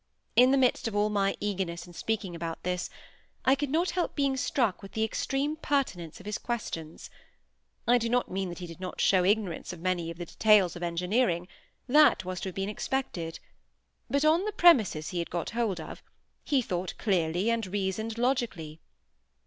In the midst of all my eagerness in speaking about this, I could not help being struck with the extreme pertinence of his questions. I do not mean that he did not show ignorance of many of the details of engineering: that was to have been expected; but on the premises he had got hold of; he thought clearly and reasoned logically.